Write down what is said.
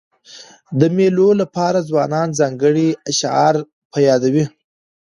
د مېلو له پاره ځوانان ځانګړي اشعار په یادوي.